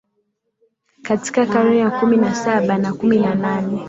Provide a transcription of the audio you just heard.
katika karne ya kumi na Saba na kumi na nane